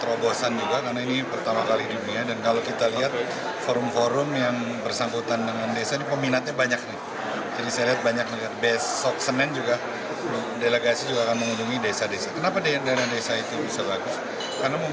objek tapi menjadi pelaku